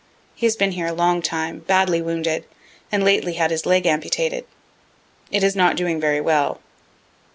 He has been here a long time, badly wounded, and lately had his leg amputated; it is not doing very well.